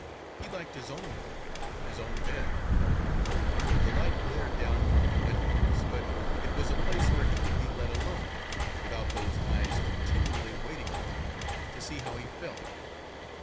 He liked his own room, his own bed. The light glared down from the windows. But it was a place where he could be let alone, without those eyes continually waiting upon him to see how he felt.